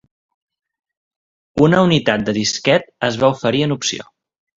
Una unitat de disquet es va oferir en opció.